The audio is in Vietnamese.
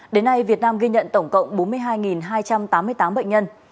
đến nay việt nam ghi nhận tổng cộng bốn mươi hai hai trăm tám mươi tám bệnh nhân